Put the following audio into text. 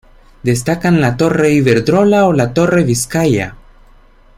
Destacan la Torre Iberdrola o la Torre Bizkaia.